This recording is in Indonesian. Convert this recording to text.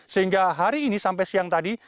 sehingga hari ini sampai siang tadi